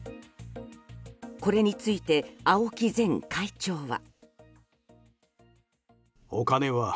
これについて、青木前会長は。